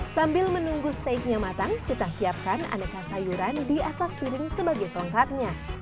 sambil menunggu steaknya matang kita siapkan aneka sayuran di atas piring sebagai tongkatnya